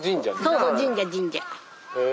そうそう神社神社。